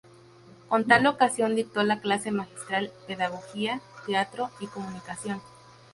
Con tal ocasión dictó la clase magistral "Pedagogía, Teatro y comunicación".